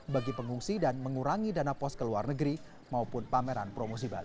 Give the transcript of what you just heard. bagi pengungsi dan mengurangi dana pos ke luar negeri maupun pameran promosi bali